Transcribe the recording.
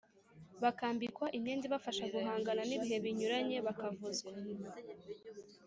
bakambikwa imyenda ibafasha guhangana n'ibihe binyuranye, bakavuzwa